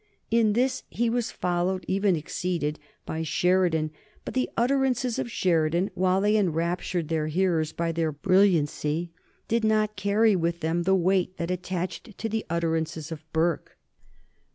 In this he was followed, even exceeded, by Sheridan; but the utterances of Sheridan, while they enraptured their hearers by their brilliancy, did not carry with them the weight that attached to the utterances of Burke.